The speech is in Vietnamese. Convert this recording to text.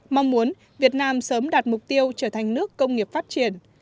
mong muốn việt nam sớm đạt mục tiêu trở thành nước công nghiệp phát triển